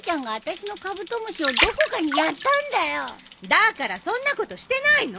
だからそんなことしてないの！